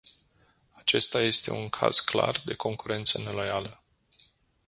Acesta este un caz clar de concurență neloială.